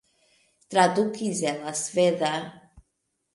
Tradukis el la sveda.